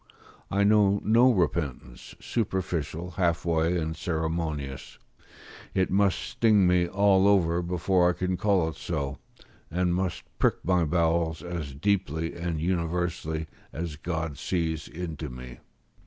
I know no repentance, superficial, half way, and ceremonious; it must sting me all over before I can call it so, and must prick my bowels as deeply and universally as God sees into me.